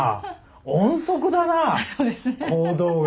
音速だな行動が。